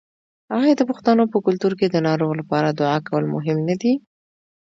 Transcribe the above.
آیا د پښتنو په کلتور کې د ناروغ لپاره دعا کول مهم نه دي؟